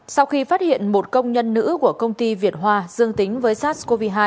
sau khi phát hiện một công nhân nữ của công ty việt hoa dương tính với sars cov hai